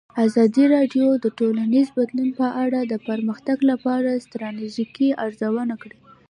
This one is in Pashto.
ازادي راډیو د ټولنیز بدلون په اړه د پرمختګ لپاره د ستراتیژۍ ارزونه کړې.